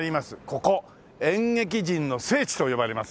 ここ演劇人の聖地と呼ばれます